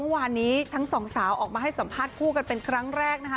วานนี้ทั้งสองสาวออกมาให้สัมภาษณ์คู่กันเป็นครั้งแรกนะคะ